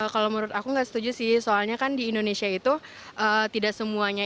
kalau menurut aku nggak setuju sih soalnya kan di indonesia itu tidak semuanya